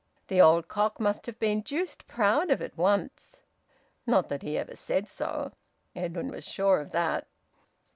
The old cock must have been deuced proud of it once! Not that he ever said so Edwin was sure of that!